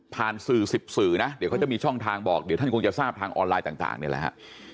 สื่อ๑๐สื่อนะเดี๋ยวเขาจะมีช่องทางบอกเดี๋ยวท่านคงจะทราบทางออนไลน์ต่างนี่แหละฮะ